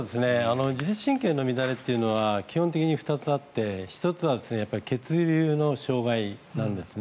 自律神経の乱れというのは基本的２つあって１つは血流の障害なんですね。